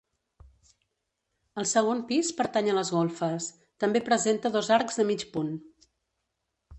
El segon pis pertany a les golfes, també presenta dos arcs de mig punt.